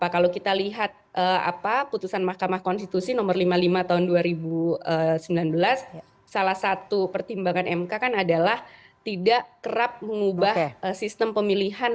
kalau kita lihat putusan mahkamah konstitusi nomor lima puluh lima tahun dua ribu sembilan belas salah satu pertimbangan mk kan adalah tidak kerap mengubah sistem pemilihan